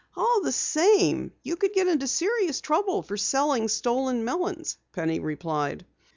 "All the same, you could get into serious trouble for selling stolen melons," Penny replied.